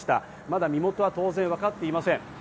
まだ身元は当然分かっていません。